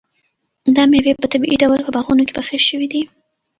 دا مېوې په طبیعي ډول په باغونو کې پخې شوي دي.